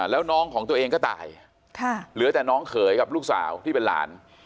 แล้วน้องของตัวเองก็ตายเหลือแต่น้องเขยกับลูกสาวที่เป็นหลาน